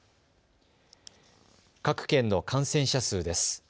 各県の感染者数です。